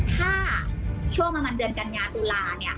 ถ้าช่วงประมาณเดือนกัญญาตุลาเนี่ย